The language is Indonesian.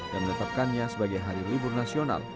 dan menetapkannya sebagai hari libur nasional